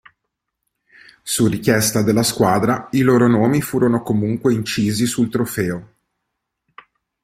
Su richiesta della squadra i loro nomi furono comunque incisi sul trofeo.